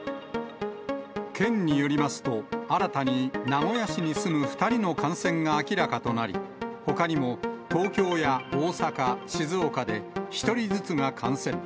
県によりますと、新たに名古屋市に住む２人の感染が明らかとなり、ほかにも東京や大阪、静岡で、１人ずつが感染。